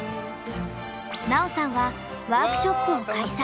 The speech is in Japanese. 奈緒さんはワークショップを開催。